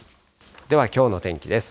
ではきょうの天気です。